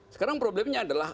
sekarang problemnya adalah